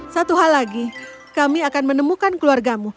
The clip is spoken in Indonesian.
satu hal lagi kami akan menemukan keluargamu